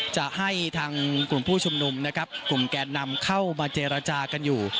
จะให้ทางกลุ่มผู้ชุมนุมนะครับกลุ่มแกนนำเข้ามาเจรจากันอยู่